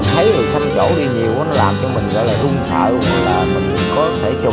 không phải là càng trở nhiều